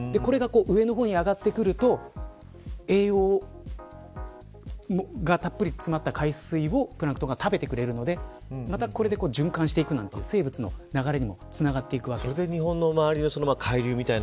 これが上の方に上がってくると栄養がたっぷり詰まった海水をプランクトンが食べてくれるのでまたこれで循環していくという生物の流れにもつながっているわけです。